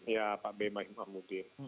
ya pak ben mamudin